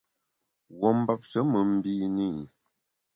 Wuo mbapshe me mbine i.